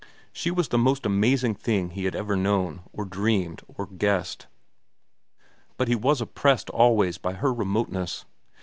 She was the most amazing thing he had ever known, or dreamed, or guessed. But he was oppressed always by her remoteness.